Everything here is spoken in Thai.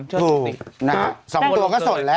ถูก๒ตัวก็สดแล้ว